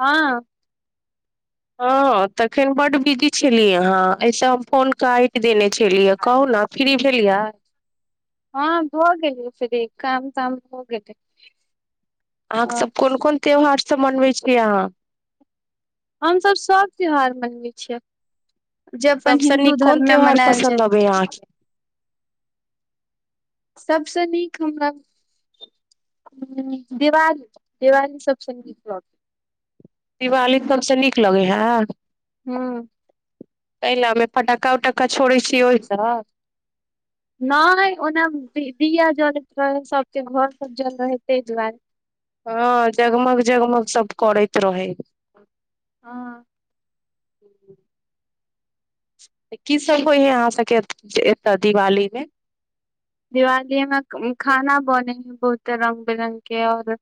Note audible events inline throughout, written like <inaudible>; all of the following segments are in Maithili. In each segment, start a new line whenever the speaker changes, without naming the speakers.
हँ
हँ तखन बड्ड बिजी छलियै अहाँ एहिसँ हम फोन काटि देने चिय कहू ने फ्री भेलिय
हँ भऽ गेलीयै फ्री काम ताम भ गेलै
आ
ह
सभ कोन कोन त्योहार मनवै छी अहाँ
हमसभ सभ त्यौहार मनबै छियै जे अपन
सभसँ
हिन्दू
नीक कोन
धर्म मे
त्यौहार
मनायल जाय
पसन्द अबै अहाँके
सबसँ नीक हमरा दिवाली दिवाली सबसँ नीक ल
दिवाली त हमसँ नीक लगे हैं
हू
एहि ल हमे फटक्का उटक्का छोड़ै छियै ओहिसँ
नहि ओना दिया जलैत रहै सबके घर सब जल रहै ताहि दुआरे
हँ जगमग जगमग सब करैत रह
ह
ह की सभ होइ हइ अहाँ सभके एत्त दिवालीमे
दिवाली मे खाना बने है बहुते रंग- बिरंग के और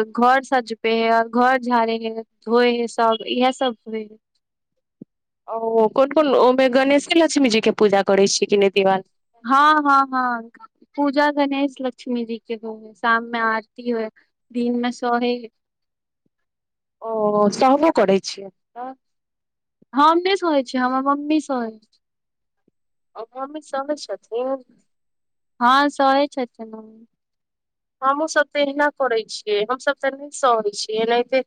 घर सजबै है ओर घर झाड़े है धोए है सब इएह सब होइ है
ओ कोन कोन ओहिमे गणेशे-लक्ष्मी जी के पूजा करै छीयै कि नहि दिवाल
हँ हँ हँ पूजा गणेश लक्ष्मी जी के हो शाममें आरती हए दिन मे सोहे
ओ सहबो करै छियै
हम नहि सहै छियै हमर मम्मी सहै छै
मम्मी सहैय छथिन
हँ सहै छथिन मम्मी
हमहूँसभ तऽ एहिना करै छियै हमसभ तऽ नहि सहै छियै एनाहिते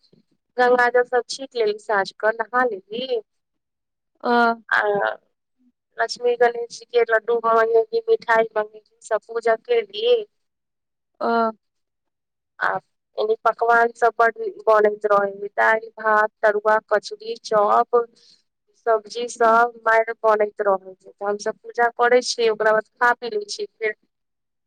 गङ्ंगाजलसभ छीट लेली साँझ कऽ नहा लेली आ लक्ष्मी- गणेशजी के लड्डू मगेली मिठाइ मङ्गेल सभ पूजा करि लि
ह
आ पकवान सब बडु नीक बनैत रहै ह दाल भात तरुआ कचरी चॉप सब्जी सब ब मैर कनैत रहै छै तऽ हमसब पूजा करै छियै ओकरा बाद खा पी लै छियै फेर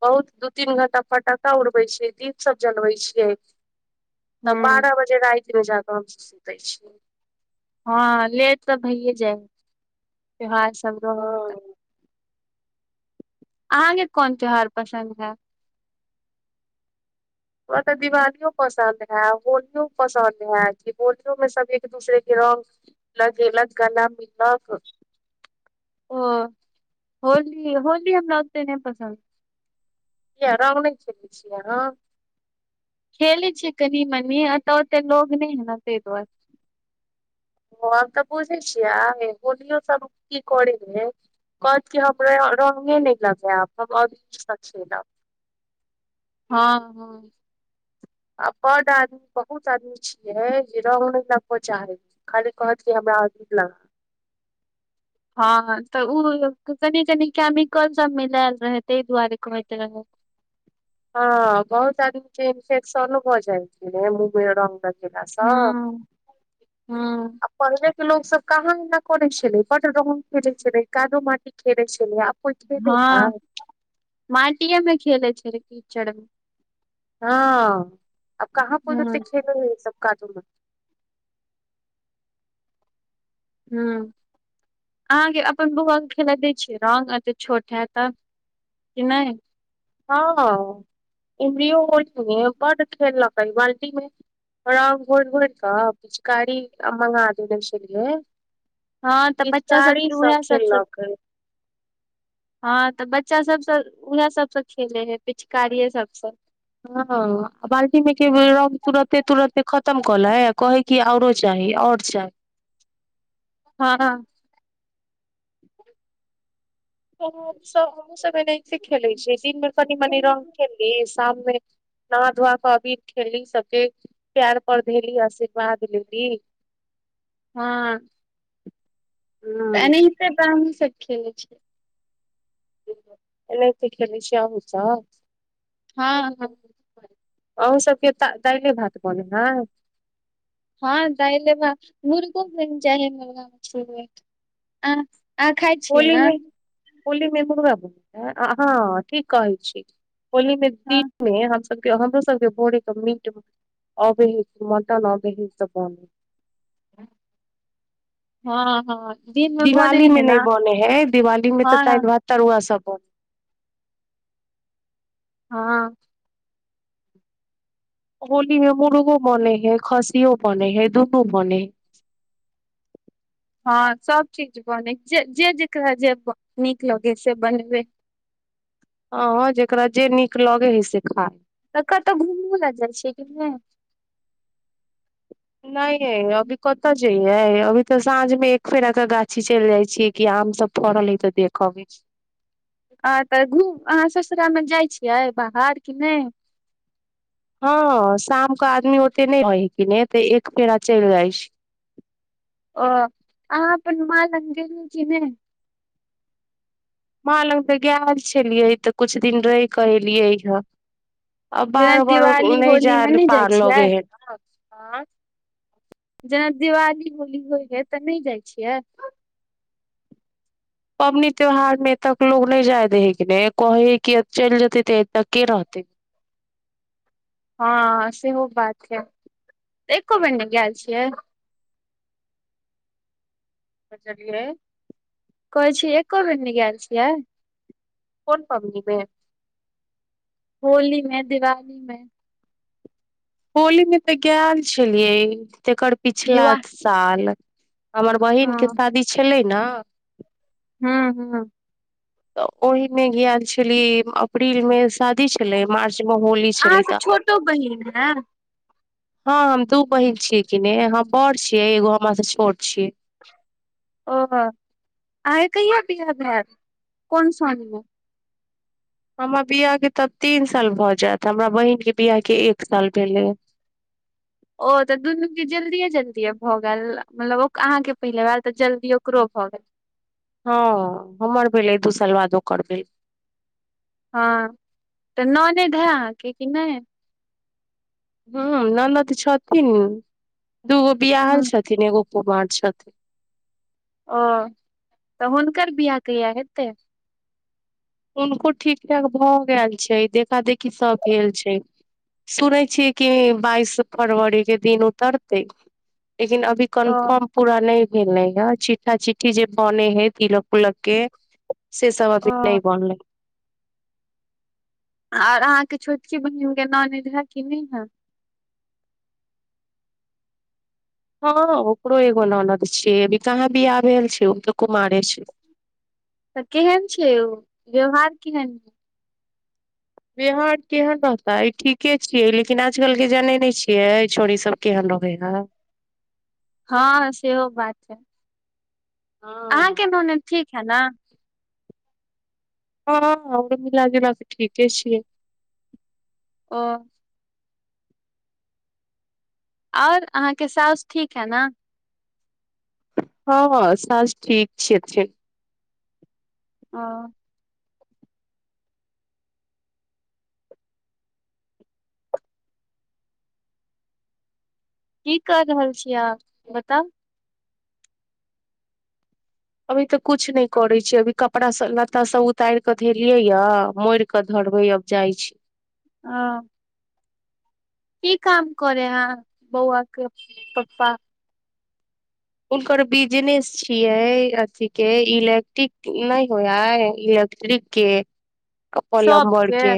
बहुत दू तीन घण्टा फटका उड़बै छियै दीप सब जलबै छियै तऽ
हूँ
बारह बजे राति जाकऽ हम सब सुतै छियै
हँ लेट तऽ भइयै जाइ त्यौहार सब रहल
हँ
तऽ अहाँके कोन त्यौहार पसन्द हए
हमरा तऽ दिवालीयौ पसन्द हए होलियो पसन्द हए की होलिोमे सभ एक दूसरेके रङ्ग लगेलक गला मिललक
ओ होली होली हमरा ओत्ते नहि पसन्द
किया राम नहि <unintelligible>
खेलै छै कनि मनी एतऽ ओते लोग नहि हेय तै दुआरे
ओ हम तऽ बुझै छियै आ होलियोसभ की करैत रहै कहत की हमरा रंगे नहि लगायब हम आओर की स खेलब
हाँ हँ
आ बड्ड आदमी बहुत आदमी छियै जे रंग नहि लगब चाहै छै खाली कहत की हमरा अबीर लाउ
हाँ तऽ ओ कनि कनि केमिकलसभ मिलायल रहै ताहि दुआरे कहैत रहै
हाँ बहुत आदमी के इन्फे्शन होऽ जाइ छै न मुँहमे रंग लेगैला सँ
हँ हँ
आ पढ़बै लोक सब कहाँ एना करै छलै <unintelligible> खेलै छलै कादो माटी खेलै छलै आब कोइ खेले
हँ
हय
माटिएमे खेलै छलखिन चढ़ब
हँ-अ अब कहाँ कोनो ओत्ते
हूँ
खेलो होइ सब काजूमे
हूँ अहाँके अपन बौआकेँ खेलऽ दै छियै रङ्ग एतऽ छोट हए तऽ की नहि
हाँ इमरियो होलीमे बड्ड खेललकै बाल्टी मे रंग घोइर-घोइर कऽ पिचकारी मंगा देने छलियै
हाँ तऽ बच्चा
पिचकारी
सबके उएह सब सबसँ
खेललकै
हाँ तऽ बच्चा सभसँ उएह सबसँ खेलै हेय पिचकारी सभसँ
हँ बाल्टीमे एके बेर रङ्ग तुरन्ते तुरंते खतम कऽ लैइ कहै की आओरो चाही आओर चाही
हँ
हमसभ हमहु सब एनाहिते खेले छियै दिन मे कनी मनी रंग खेलली शाम मे नहा धुआ कऽ अबीर खेलली सबके पैर पर धेली आशीर्वाद लेली
हँ
हँ
तऽ एनहिते हमहूँ सब ठीक छै
ऐनाहिंते खेलै छियै अन्हुसब
हाँ हँ
अन्हु सबके तऽ दालि भात बनल हन
हाँ दालि भात मुर्गो बनि जाइ हइ <unintelligible> आँ अहाँ खाइ छियै
होली
ने
मे होली मे मुर्गा <unintelligible> ठीक कहै छी होली
हँ
दिनमे हम सब हमरो सबके भोरे के मीट अबे ह मटन अबे हे सब बनै हे
हँ हँ दिन मे बनै
दिवाली
है
में
ने
नहि बने है दिवाली में तऽ दालि,
हँ
भात, तरुआ सब ब
हँ
होली में मुर्गो बने हैं खसियो बने हैं दुनू बने हय
हँ सब चीज बनेै जे जेकरा जे नीक लगे से बनेबै
ह जेकरा जे नीक लगे है से खायइ
तऽ कतहु घुमू लए जाइ छियै कि नइ
नहि यै अभी कत्त जे अभी तऽ साँझ मे एक फेरा के गाछी चलि जाइ छियै कि आम सब फड़ल है तऽ देख अबै छी
हँ तऽ घूम अहाँ ससुरालमे जाइ छियै बाहर कि नहि
हँ शामके आदमी ओते नहि रहै छै नहि तऽ एक फेरा चलि जाइ छै
ओ अहाँ अपन माय लग ज बै
म लग तऽ गेल छलियै तऽ कछु दिन रहि कऽ एलियै हँ आ
जेना
बार बार
दिवाली
नहि
होली मे
जाय
जाइ
पार लगे
छियै
है
जेना दिवाली होली होइ हइ तऽ नहि जाइ छियै
पबनि त्यौहारमे तक लोक नहि जाय द हय कि नहि कहै हइ कि चलि जेतै तऽ एतक के रहतै
हँ सेहो बात छै त एको बेर ने गेल छियै
की कहलियै
कहै छी एकको बेर न गेल छियै
कोन पबनीमे
होली मे दिवाली मे
होली मे तऽ गैल छलिए। तकर पिछला
दिवाली
साल हमर बहिन के
हँ
शादी छलै। न
हूं हूं।
तऽ ओहिमे गैल छलीए अप्रील मे स शादी छेलै, मार्च मे होली
अहाँ
छेलै
से
त
छोटो बहिन है
हां हम दू बहीन छियै कि नै हम बड़ छियै, एगो हमरा से छोट छियै।
ओ अहांके कहिया बियाह भेल कोन साल में।
हमर बियाह के त अब तीन साल भऽ जाएत, हमरा बहिन के बियाह एक साल भेलै ये।
ओ तऽ दुनू के जल्दिए जल्दिए भऽ गेल मतलब ओ अहाँके पहिले बार तऽ जल्दीए ओकरो भऽ गेल।
हां हमर भेलै, दू साल बाद ओकर भेलै।
हां तऽ ननेद हय अहाँके कि नै?
हां हां ननद छथिन। दूगो
हँ,
बियाहल छथिन एगो कुमार छथी।
औ तऽ हुनकर बियाह कहिया हेतै।
हुनको ठीक ठाक भऽ गेल छै देखादेखी सब भेल छै, सुनै छियै कि बाइस फरवरी के दिन उतरतै। लेकिन अभी
ओ
कन्फर्म पूरा नै गेलैये चिठ्ठा चिठ्ठी जे बने हय तिलक-उलक के। से सब अभी
ओ
लै
और अहाँके छोटकी बहिनके ननैद हए कि नै हए?
हां ओकरो एगो नानद छियै, अभी कहाँ बियाह भेल छै। उ तऽ कुमारे छै।
तऽ केहेन छै ओ? व्यवहार केहेन
व्यवहार केहेन रहतै? ठीके छियै। लेकिन आज कल के जानै नै छियै छोरी सब केहेन रहै हय।
हां, सेहो बात हय।
हँ
अहाँके ननैद ठीक हए ना?
ह ह <unintelligible> मिला जुला के ठीके छियै।
ह और अहाँके साउस ठीक हए न?
हां हां साउस ठीक छथीन।
ओ की कर रहल छियै अहाँ? बताउ।
अभी तऽ कुछ नै करै छीयै। अभी कपड़ा सब लत्ता सब उताइर कऽ धेलियै य मोइड़ कऽ धरबै अब जाइ छी।
ओ की काम करै हे बउवा के पप्पा?
हुनकर बिजनेस छियै अथी के इलेक्टिक नै होइ हइ इलेक्ट्रिक के। अ पलम्बर
सबके
के।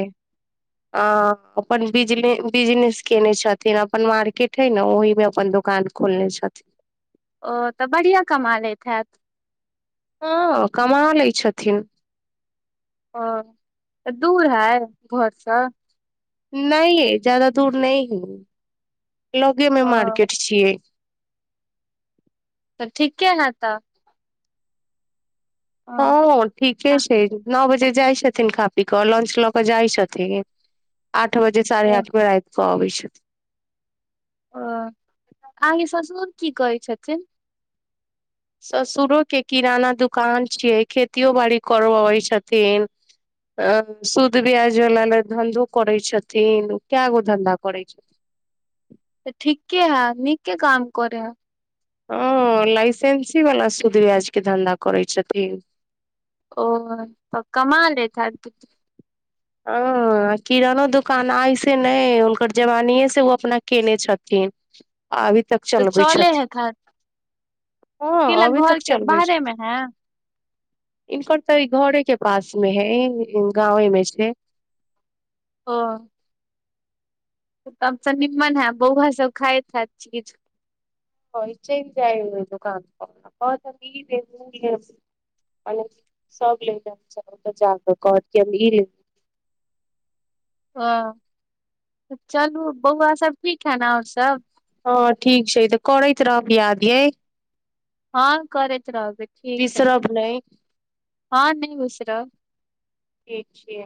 आ अपन बिजने बिजनेस केने छथिन। अपन मार्केट हय ने ओहीमे अपन दोकान खोलने छथिन।
औ तऽ बढ़िया कमा लैत हएत?
हँ, कमा लै छथिन।
ओ तऽ दूर हय घरसँ?
नहि यै, जादा दूर नहि हइ। लगेमे
ओ
मार्केट छियै।
तऽ ठिक्के हए तऽ।
हँ ओ ठीके
अ,
छै। नओ बज जे जाइ छथिन खा पी कऽ, लंच लऽ कऽ जाइ छथिन। आठ बजे साढ़े
ओ
आठमे आइब अबइ छैत।
ओ अहाँके ससुर की करै छथिन?
ससुरो के किराना दुकान छियै, खेतियो बाड़ी करवाबै छथिन। अ शुध ब्याजवला लेल धंधो करै छथिन। ऊ कए गो धन्धा करै छथिन।
तऽ ठिक्के हए, नीके काम करे हय।
ह लाइसेंसी वला सूद-ब्याजके धन्धा करै छथिन।
ओ तऽ कमा लैत हैत किछ?
ह किरानो दोकान आइसे नहि हइ, हुनकर जवानीएसँ ओ अपना केने छथिन। आ अभी तक
तऽ
चलबै
चले हए
छथिन
खर्च?
हँ
<unintelligible>
अभी
घरके बाहरेमे हए?
इनकर त ई घरेके पासमे हइ। <unintelligible> उम्म गाँवेमे छै।
ओ। तब त निम्मन हए, बौआसब खाइत हएत चीज?
ह, ई चैल जाइ हइ ओइ दोकानपर आ कहत हम ई लेब ऊ लेब <unintelligible> सब लै ल <unintelligible> कहत हम ई लेब।
ओ चलू बौआ सब ठीक है न आओर सब
हँ ठीक छै ई तऽ करैत रहब याद यै
हँ करैत रहबै ठीक है
बिसरब नहि
हँ नहि बिसरब
ठीक छियै